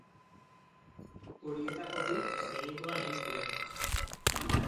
Horietako bi, segituan hil ziren.